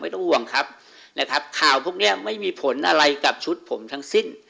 ต้องห่วงครับนะครับข่าวพวกนี้ไม่มีผลอะไรกับชุดผมทั้งสิ้น